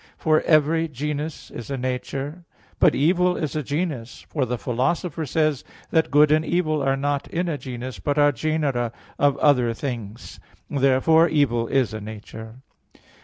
For every genus is a nature. But evil is a genus; for the Philosopher says (Praedic. x) that "good and evil are not in a genus, but are genera of other things." Therefore evil is a nature.